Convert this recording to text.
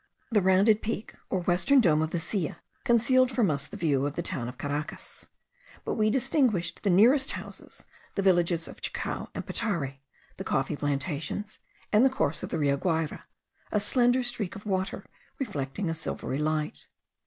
The rounded peak, or western dome of the Silla, concealed from us the view of the town of Caracas; but we distinguished the nearest houses, the villages of Chacao and Petare, the coffee plantations, and the course of the Rio Guayra, a slender streak of water reflecting a silvery light.